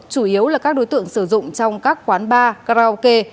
nếu là các đối tượng sử dụng trong các quán bar karaoke